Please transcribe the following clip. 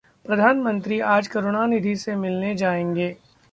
प्रधानमंत्री आज करुणानिधि से मिलने जाएंगे